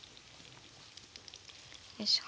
よいしょ。